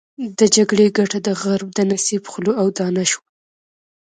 د جګړې ګټه د غرب د نصیب خوله او دانه شوه.